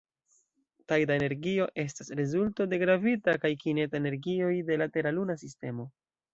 Tajda energio estas rezulto de gravita kaj kineta energioj de la Tera-Luna sistemo.